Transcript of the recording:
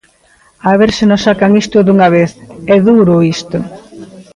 A ver se nos sacan isto dunha vez, é duro isto.